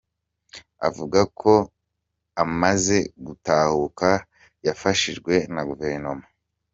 Avuga ko amaze gutahuka, yafashijwe na guverinoma.